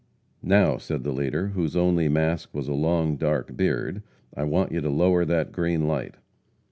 "Now," said the leader, whose only mask was a long dark beard, "I want you to lower that green light!"